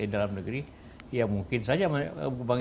dalam negeri mungkin saja bank indonesia mencari